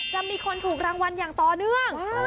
จะมีคนถูกรางวัลอย่างต่อเนื่อง